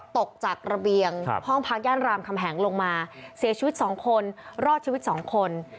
ตกจากระเบียงห้องพักย่านรามคำแหงลงมาเสียชีวิต๒คนรอดชีวิต๒คน